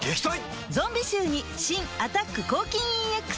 ゾンビ臭に新「アタック抗菌ＥＸ」